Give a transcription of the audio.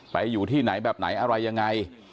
อยู่ที่ไหนแบบไหนอะไรยังไง